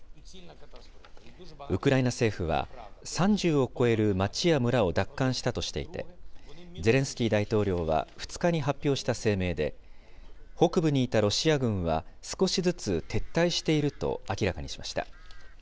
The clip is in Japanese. ウクライナ政府は、３０を超える町や村を奪還したとしていて、ゼレンスキー大統領は２日に発表した声明で、北部にいたロシア軍は少しずつ撤退していると明らかにしました。